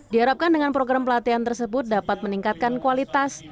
diharapkan dengan program pelatihan tersebut dapat meningkatkan kualitas